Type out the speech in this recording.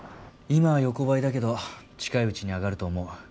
今は横ばいだけど近いうちに上がると思う。